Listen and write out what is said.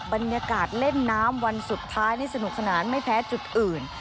บรรยากาศเล่นน้ำวันสุดท้ายนี่สนุกสนานไม่แพ้จุดอื่น